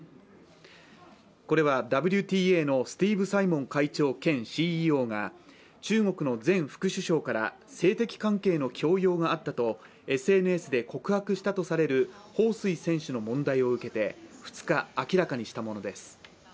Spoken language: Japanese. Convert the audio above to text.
これはＷＴＡのスティーブ・サイモン会長兼ＣＥＯが中国の前副首相から性的関係の強要があったとＳＮＳで告白したとされる彭帥選手の問題を受けて２日、明らかにしたものです。